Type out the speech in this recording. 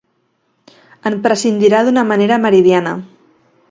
En prescindirà d'una manera meridiana.